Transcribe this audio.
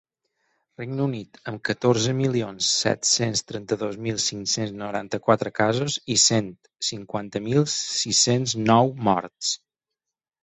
Regne Unit, amb catorze milions set-cents trenta-dos mil cinc-cents noranta-quatre casos i cent cinquanta mil sis-cents nou morts.